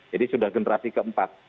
jadi sudah generasi keempat